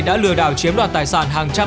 đã lừa đảo chiếm đoạt tài sản hàng trăm